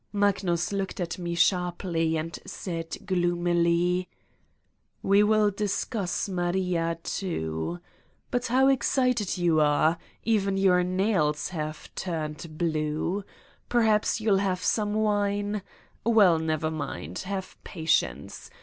Magnus looked at me sharply and said gloomily: "We will discuss Maria, too. But how excited you are ! Even your nails have turned blue. Per haps you'll have some wine? Well, never mind. Have patience.